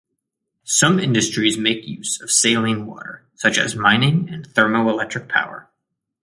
Some industries make use of saline water, such as mining and thermo-electric power.